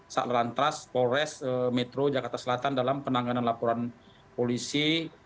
salantas polres metro jakarta selatan dalam penanganan laporan polisi